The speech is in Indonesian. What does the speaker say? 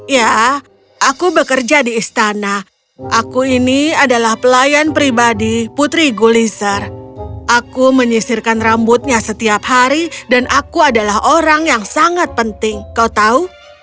ya aku bekerja di istana aku ini adalah pelayan pribadi putri guliser aku menyisirkan rambutnya setiap hari dan aku adalah orang yang sangat penting kau tahu